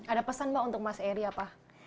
ada pesan mbak untuk mas eri apa